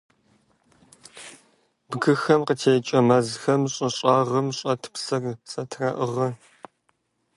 Бгыхэм къытекӀэ мэзхэм щӀы щӀагъым щӀэт псыр зэтраӀыгъэ.